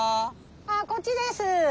こっちです。